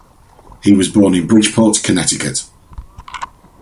He was born in Bridgeport, Connecticut.